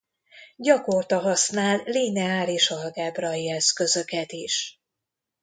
Gyakorta használ lineáris algebrai eszközöket is.